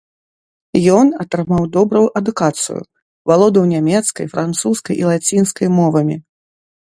Ён атрымаў добрую адукацыю, валодаў нямецкай, французскай і лацінскай мовамі.